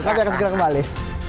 kita berbicara kembali